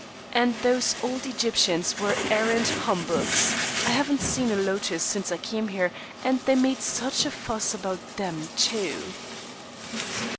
And those old Egyptians were arrant humbugs. I haven't seen a lotus since I came here, and they made such a fuss about them too."